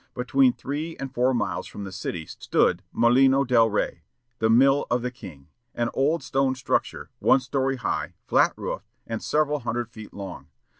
Between three and four miles from the city stood Molino del Rey, the "mill of the King," an old stone structure, one story high, flat roofed, and several hundred feet long.